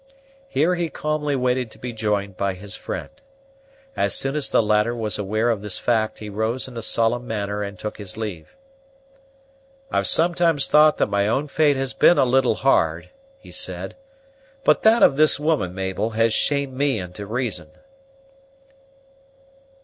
Here he calmly waited to be joined by his friend. As soon as the latter was aware of this fact, he rose in a solemn manner and took his leave. "I've sometimes thought that my own fate has been a little hard," he said; "but that of this woman, Mabel, has shamed me into reason."